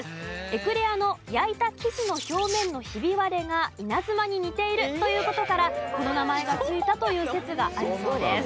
エクレアの焼いた生地の表面のひび割れが稲妻に似ているという事からこの名前が付いたという説があるそうです。